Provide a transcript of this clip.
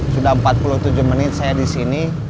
sudah empat puluh tujuh menit saya di sini